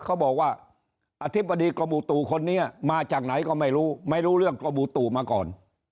เขาบอกว่าอธิบดีกรมอุตุคนนี้มาจากไหนก็ไม่รู้ไม่รู้เรื่องกรมอุตุมาก่อน